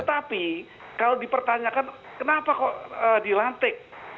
jadi kalau dipertanyakan kenapa kok dilantik